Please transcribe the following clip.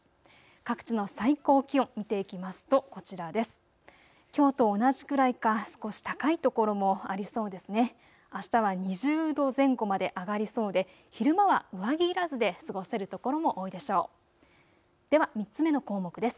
各地の最高気温、見ていきますとこちらです。